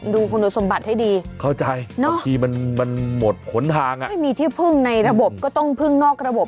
ดูคุณบริสมบัติให้ดีเนาะใช่ไม่มีที่ผึ้งในระบบต้องผึ้งนอกระบบ